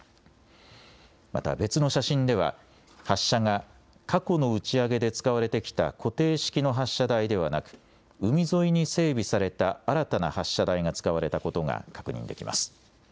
また別の写真では発射が過去の打ち上げで使われてきた固定式の発射台ではなく海沿いに整備された新たな発射台が使われたことが確認できます。